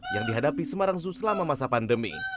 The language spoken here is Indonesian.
yang dihadapi semarang zu selama masa pandemi